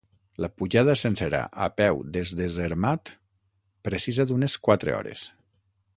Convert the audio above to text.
La pujada sencera a peu des de Zermatt precisa d'unes quatre hores.